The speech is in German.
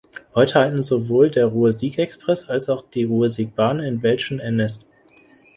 Heute halten sowohl der Ruhr-Sieg-Express als auch die Ruhr-Sieg-Bahn in Welschen Ennest.